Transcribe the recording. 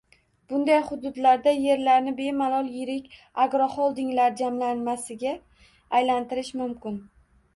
Bunday hududlarda yerlarni bemalol yirik agroholdinglar jamlanmasiga aylantirish mumkin.